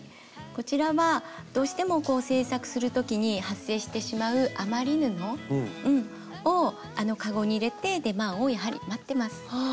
こちらはどうしても制作する時に発生してしまう余り布を籠に入れて出番をやはり待ってます。